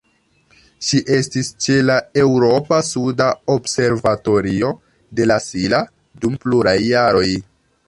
Ŝi estis ĉe la Eŭropa suda observatorio de La Silla dum pluraj jaroj.